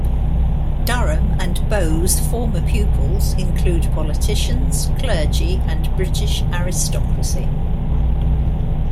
Durham and Bow's former pupils include politicians, clergy and British aristocracy.